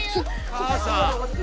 母さん！